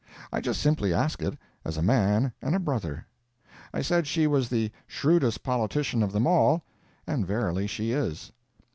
I just simply ask it as a man and a brother. I said she was the shrewdest politician of them all—and verily she is.